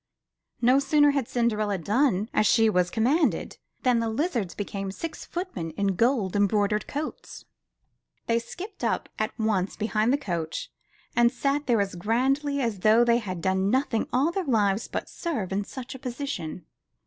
No sooner had Cinderella done as she was com manded, than the lizards became six footmen in gold embroidered coats. They skipped up at once behind the coach and sat there as grandly as though they had done nothing all their lives but serve in such a position.